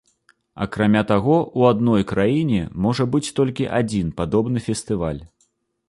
Акрамя таго, у адной краіне можа быць толькі адзін падобны фестываль.